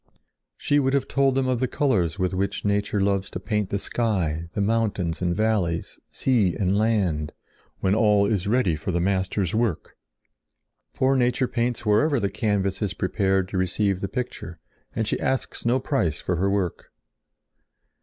She would have told them of the colors with which nature loves to paint the sky, the mountains and valleys, sea and land, when all is ready for the master's work. For nature paints wherever the canvas is prepared to receive the picture, and she asks no price for her work.